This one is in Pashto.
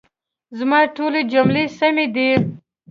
زما ټولي جملې سمي دي؟